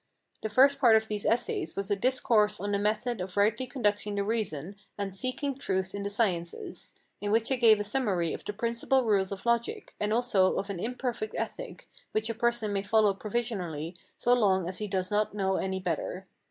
The first part of these Essays was a "Discourse on the Method of rightly conducting the Reason, and seeking Truth in the Sciences," in which I gave a summary of the principal rules of logic, and also of an imperfect ethic, which a person may follow provisionally so long as he does not know any better.